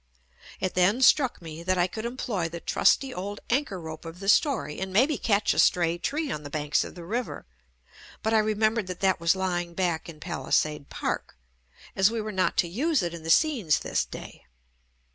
It then struck me that I could employ the trusty old anchor rope of the story and maybe catch a stray tree on the banks of the river, but I remembered that that was lying back in Palisade Park, as we were not to use it in the scenes this day.